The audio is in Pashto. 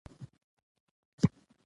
ته هم هېڅکله زما د درد مرهم نه شوې.